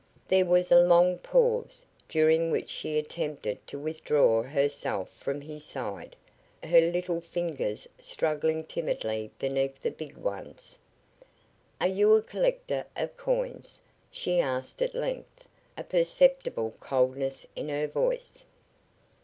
There was a long pause, during which she attempted to withdraw herself from his side, her little fingers struggling timidly beneath the big ones. "Are you a collector of coins?" she asked at length, a perceptible coldness in her voice.